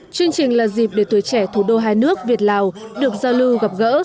chương trình là dịp để tuổi trẻ thủ đô hai nước việt lào được giao lưu gặp gỡ